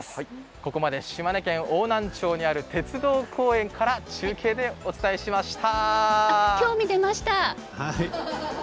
ここまで島根県邑南町にある鉄道公園からお伝えしました。